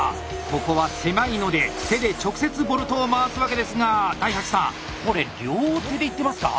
ここは狭いので手で直接ボルトを回すわけですが大八さんこれ両手でいってますか？